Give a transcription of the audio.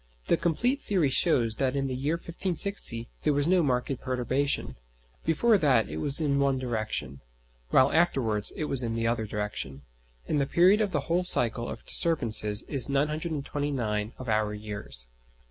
The complete theory shows that in the year 1560 there was no marked perturbation: before that it was in one direction, while afterwards it was in the other direction, and the period of the whole cycle of disturbances is 929 of our years.